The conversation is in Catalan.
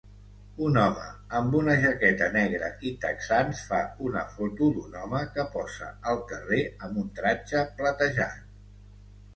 Un home amb una jaqueta negra i texans fa una foto d'un home que posa al carrer amb un tratge platejat